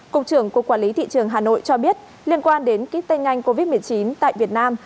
cục trưởng của quản lý thị trường hà nội cho biết liên quan đến ký test nhanh covid một mươi chín tại việt nam